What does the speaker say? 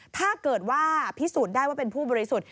ถ้าเกิดว่าพิสูจน์ได้ว่าเป็นผู้บริสุทธิ์